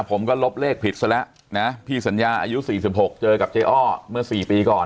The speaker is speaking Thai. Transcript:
ผมก็ลบเลขผิดซะแล้วนะพี่สัญญาอายุ๔๖เจอกับเจ๊อ้อเมื่อ๔ปีก่อน